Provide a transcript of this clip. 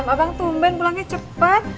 abang tumben pulangnya cepat